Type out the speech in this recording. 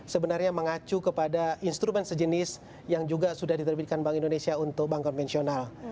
sebenarnya mengacu kepada instrumen sejenis yang juga sudah diterbitkan bank indonesia untuk bank konvensional